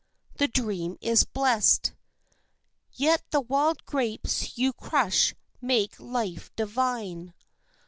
The dream is blest, Yet the wild grapes you crush make life divine.